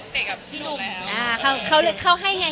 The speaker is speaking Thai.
เตะบอลต้องเตะกับพี่หนุ่ม